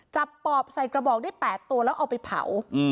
ปอบใส่กระบอกได้๘ตัวแล้วเอาไปเผา